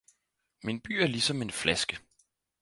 Min by er ligesom en flaske